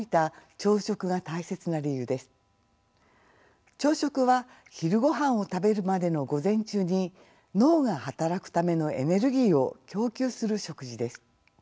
朝食は昼ごはんを食べるまでの午前中に脳が働くためのエネルギーを供給する食事です。